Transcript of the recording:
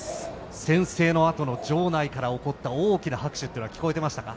宣誓のあとの場内から起きた大きな拍手は聞こえてましたか。